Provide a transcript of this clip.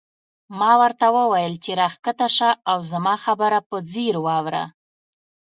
ما ورته وویل چې راکښته شه او زما خبره په ځیر واوره.